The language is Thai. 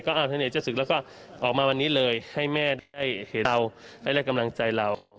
เอาทางไหนจะศึกแล้วก็ออกมาวันนี้เลยให้แม่ได้เห็นเราได้กำลังใจเรา